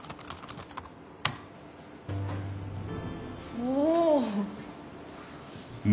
お。